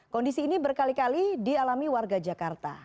kondisi ini berkali kali dialami warga jakarta